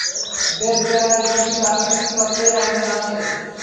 বেদে প্রায় শুধু দার্শনিক তত্ত্বেরই আলোচনা আছে।